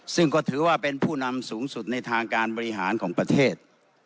ซึ่งก็ถือว่าเป็นผู้นำสูงสุดในทางการบริหารของประเทศ